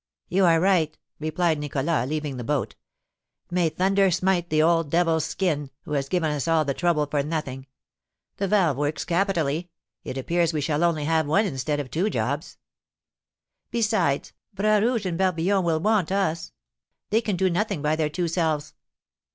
"You are right," replied Nicholas, leaving the boat. "May thunder smite the old devil's kin, who has given us all the trouble for nothing! The valve works capitally. It appears we shall only have one instead of two jobs." "Besides, Bras Rouge and Barbillon will want us; they can do nothing by their two selves."